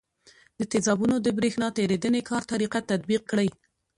د تیزابونو د برېښنا تیریدنې کار طریقه تطبیق کړئ.